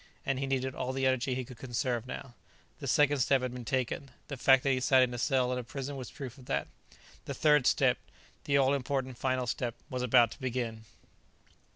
And he needed all the energy he could conserve now. The second step had been taken the fact that he sat in a cell in prison was proof of that. The third step the all important final step was about to begin.